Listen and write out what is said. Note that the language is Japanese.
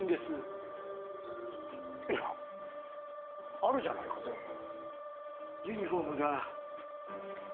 あるじゃないか、全部。